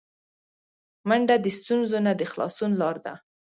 منډه د ستونزو نه د خلاصون لاره ده